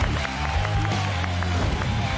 อย่ารอชาครง์โกยเลย